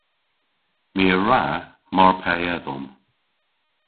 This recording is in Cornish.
My a wra mar pe edhom.